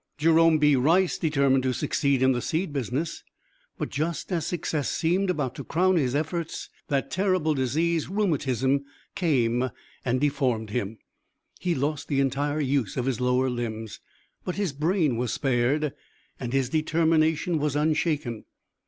Jerome B. Rice determined to succeed in the seed business, but just as success seemed about to crown his efforts that terrible disease, rheumatism, came and deformed him. He lost the entire use of his lower limbs, but his brain was spared, and his determination was unshaken.